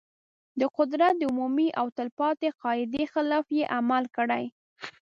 د قدرت د عمومي او تل پاتې قاعدې خلاف یې عمل کړی.